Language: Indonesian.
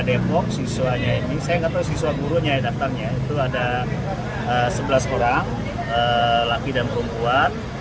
depok siswanya ini saya nggak tahu siswa gurunya yang daftarnya itu ada sebelas orang laki dan perempuan